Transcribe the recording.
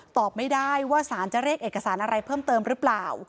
ตอบไม่ได้ว่าสารจะเรียกเอกสารอะไรเพิ่มเติมหรือเปล่า